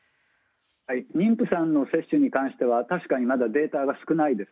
妊婦さんの接種に関しては確かにまだデータが少ないです。